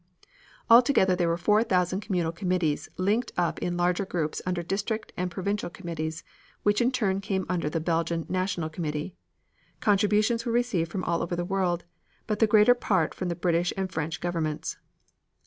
Altogether there were four thousand communal committees linked up in larger groups under district and provincial committees, which in turn came under the Belgian National Committee. Contributions were received from all over the world, but the greater part from the British and French governments.